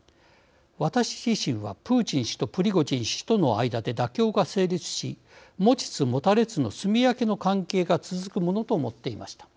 私自身はプーチン氏とプリゴジン氏との間で妥協が成立し持ちつ持たれつのすみ分けの関係が続くものと思っていました。